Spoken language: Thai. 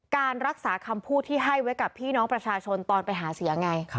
การรักษาคำพูดที่ให้ไว้กับพี่น้องประชาชนตอนไปหาเสียงไง